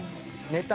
ネタ。